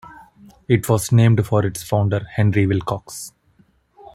It was named for its founder, Henry Wilcox.